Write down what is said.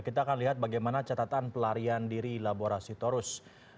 kita akan lihat bagaimana catatan pelarian diri laborasi torus